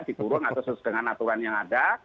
dikurung atau sesuai dengan aturan yang ada